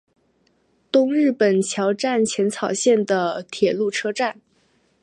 东日本桥站浅草线的铁路车站。